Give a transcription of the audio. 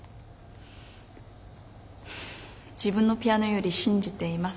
自分のピアノより信じています。